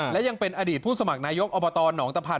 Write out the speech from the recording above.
และยังเป็นอดีตผู้สมัครนายกอบตหนองตะพันธ